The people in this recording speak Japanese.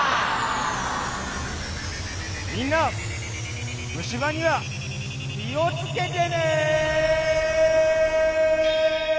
みんなむしばにはきをつけてね。